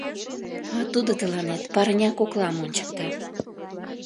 А тудо тыланет парня коклам ончыкта.